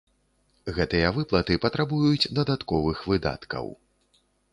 Гэтыя выплаты патрабуюць дадатковых выдаткаў.